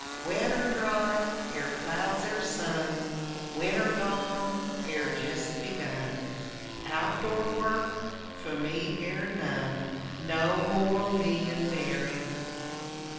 Wet er dry, er clouds er sun Winter gone, er jist begun Out door work few me er none. No more "Me and Mary!"